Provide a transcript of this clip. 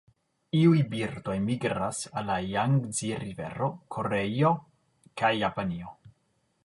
Iuj birdoj migras al la Jangzi-rivero, Koreio, kaj Japanio.